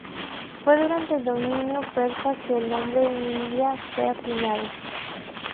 Fue durante el dominio persa que el nombre India fue acuñado.